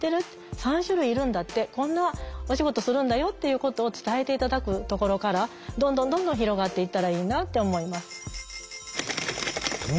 ３種類いるんだってこんなお仕事するんだよっていうことを伝えて頂くところからどんどんどんどん広がっていったらいいなって思います。ね！